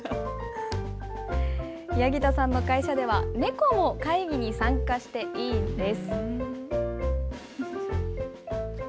矢儀田さんの会社では、猫も会議に参加していいんです。